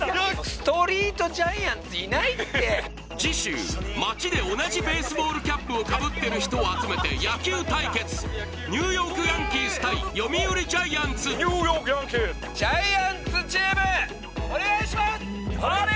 ストリートジャイアンツいないって次週街で同じベースボールキャップをかぶってる人を集めて野球対決ニューヨーク・ヤンキース対読売ジャイアンツあっニューヨーク・ヤンキースジャイアンツチームお願いしますあれ？